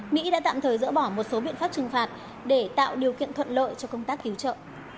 mỹ đã tạm thời dỡ bỏ một số biện pháp trừng phạt để tạo điều kiện thuận lợi cho công tác cứu trợ